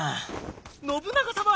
信長様！